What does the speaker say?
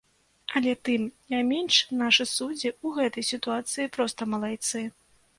Але тым не менш нашы суддзі ў гэтай сітуацыі проста малайцы.